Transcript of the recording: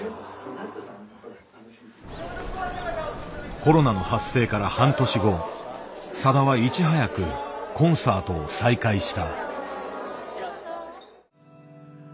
コロナの発生から半年後さだはいち早くコンサートを再開した。